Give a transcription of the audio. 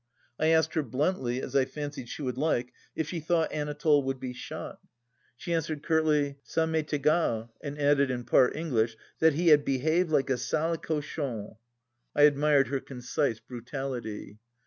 I asked her bluntly, as I fancied she would like, if she thought Anatole would be shot ! She answered curtly, " Ca m'est igal," and added in part English that he had " behave like a sale cochon." I admired her concise brutality.